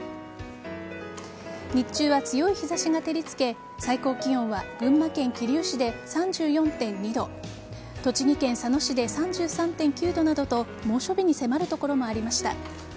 日中は強い日差しが照りつけ最高気温は群馬県桐生市で３４．２度栃木県佐野市で３３．９度などと猛暑日に迫る所もありました。